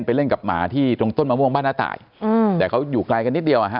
ไปเล่นกับหมาที่ตรงต้นมะม่วงบ้านน้าตายอืมแต่เขาอยู่ไกลกันนิดเดียวอ่ะฮะ